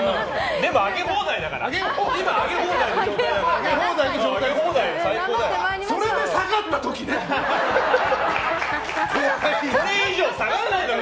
でも今、上げ放題の状態だから。